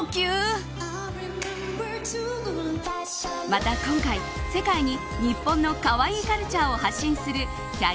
また今回世界に日本のカワイイカルチャーを発信するき